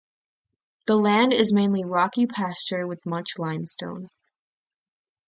The land is mainly rocky pasture with much limestone.